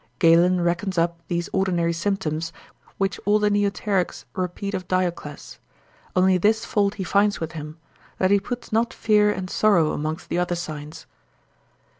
Galen lib. 3. de loc. affect., reckons up these ordinary symptoms, which all the Neoterics repeat of Diocles; only this fault he finds with him, that he puts not fear and sorrow amongst the other signs.